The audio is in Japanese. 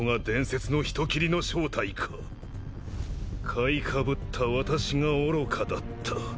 買いかぶった私が愚かだった。